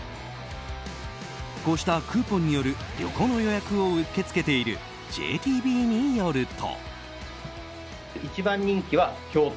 こうしたクーポンによる旅行の予約を受け付けているＪＴＢによると。